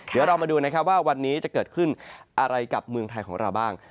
เดี๋ยวเรามาดูนะครับว่าวันนี้จะเกิดขึ้นอะไรกับเมืองไทยของเราบ้าง